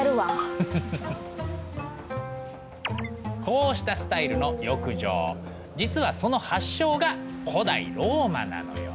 こうしたスタイルの浴場実はその発祥が古代ローマなのよ。